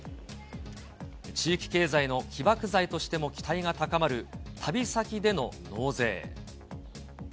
地域経済の起爆剤としても期待が高まる、旅先での納税。